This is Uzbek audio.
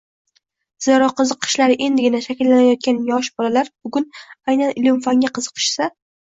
Zero, qiziqishlari endigina shakllanayotgan yosh bolalar bugun aynan ilm-fanga qiziqishsa